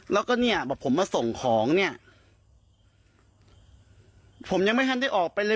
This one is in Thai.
แล้วก็เนี่ยบอกผมมาส่งของเนี่ยผมยังไม่ทันได้ออกไปเลย